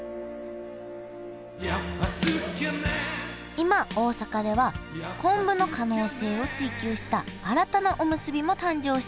今大阪では昆布の可能性を追求した新たなおむすびも誕生しています